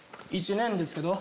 １年ですけど。